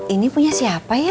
ini punya siapa ya